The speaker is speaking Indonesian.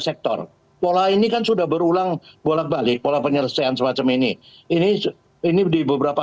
sektor pola ini kan sudah berulang bolak balik pola penyelesaian semacam ini ini di beberapa